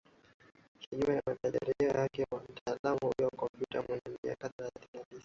kinyume na matarajio yake mtaalamu huyo wa komputer mwenye miaka thelathini na tisa